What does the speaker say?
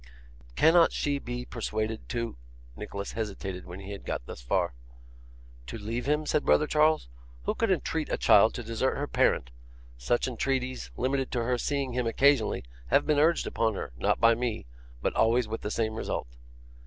'Cannot she be persuaded to ' Nicholas hesitated when he had got thus far. 'To leave him?' said brother Charles. 'Who could entreat a child to desert her parent? Such entreaties, limited to her seeing him occasionally, have been urged upon her not by me but always with the same result.